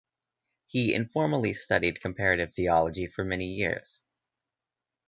He informally studied comparative theology for many years.